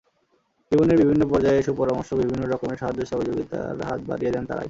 জীবনের বিভিন্ন পর্যায়ে সুপরামর্শ, বিভিন্ন রকমের সাহায্য-সহযোগিতার হাত বাড়িয়ে দেন তাঁরাই।